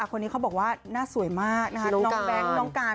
คนนี้เขาบอกว่าคือน่าสวยมากคือน้องกาล